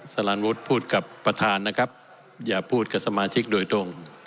สารันวุฒิพูดกับประธานนะครับอย่าพูดกับสมาชิกโดยตรง